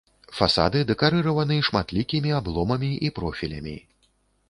Фасады дэкарыраваны шматлікімі абломамі і профілямі.